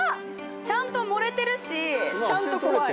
ちゃんと盛れてるしちゃんと怖い。